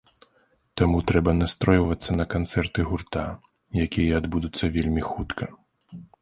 Таму трэба настройвацца на канцэрты гурта, якія адбудуцца вельмі хутка.